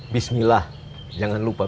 bismillah jangan lupa bapak